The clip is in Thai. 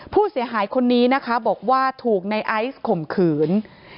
ผู้เสียหายคนนี้นะคะบอกว่าถูกในไอซ์ข่มขืน